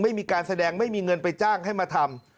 ไม่มีการแสดงไม่มีเงินไปจ้างให้มาทำ